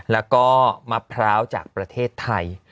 แล้วก็มะพร้าวจากประเทศไทย